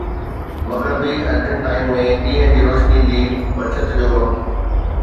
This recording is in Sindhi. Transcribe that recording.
مغربي ارجنٽائن ۾ ڏينهن جي روشني جي بچت جو وقت